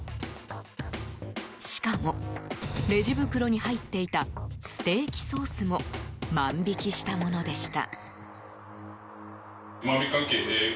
しかも、レジ袋に入っていたステーキソースも万引きしたものでした。